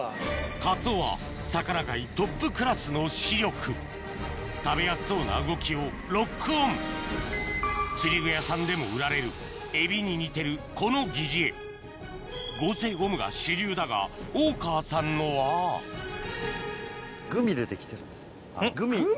カツオは魚界トップクラスの視力食べやすそうな動きをロックオン釣り具屋さんでも売られるエビに似てるこの疑似餌合成ゴムが主流だが大川さんのはグミ？